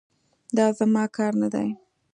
دا زما کار نه دی.